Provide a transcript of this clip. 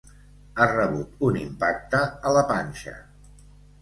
Ha rebut un impacte a la panxa.